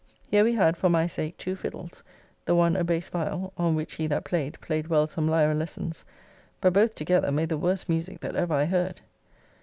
Here we had, for my sake, two fiddles, the one a base viall, on which he that played, played well some lyra lessons, but both together made the worst musique that ever I heard.